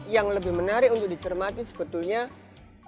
yang lebih menarik adalah musik yang terdengar berat di telinga awam